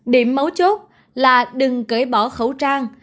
điểm mấu chốt là đừng cởi bỏ khẩu trang